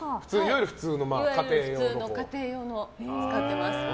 普通の家庭用のものを使ってます。